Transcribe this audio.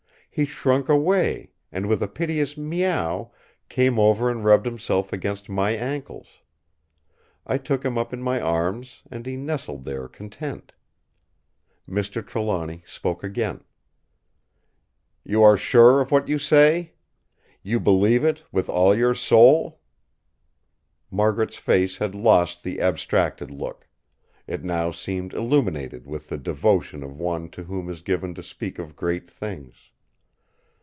He shrunk away, and with a piteous "miaou" came over and rubbed himself against my ankles. I took him up in my arms, and he nestled there content. Mr. Trelawny spoke again: "You are sure of what you say! You believe it with all your soul?" Margaret's face had lost the abstracted look; it now seemed illuminated with the devotion of one to whom is given to speak of great things.